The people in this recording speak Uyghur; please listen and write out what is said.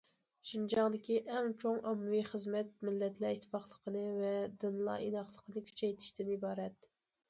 شىنجاڭدىكى ئەڭ چوڭ ئاممىۋى خىزمەت مىللەتلەر ئىتتىپاقلىقىنى ۋە دىنلار ئىناقلىقىنى كۈچەيتىشتىن ئىبارەت.